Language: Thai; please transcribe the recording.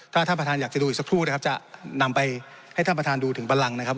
ถ้าท่านประธานอยากจะดูอีกสักครู่นะครับจะนำไปให้ท่านประธานดูถึงบันลังนะครับ